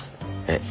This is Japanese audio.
えっ？